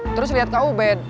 terus liat kak ubed